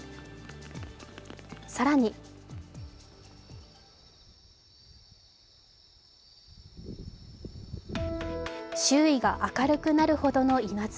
更に周囲が明るくなるほどの稲妻。